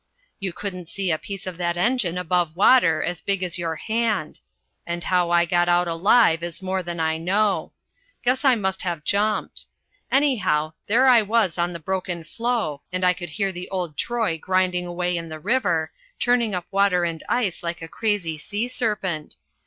"You couldn't see a piece of that engine above water as big as your hand, and how I got out alive is more than I know. Guess I must have jumped. Anyhow, there I was on the broken floe, and I could hear the old Troy grinding away in the river, churning up water and ice like a crazy sea serpent.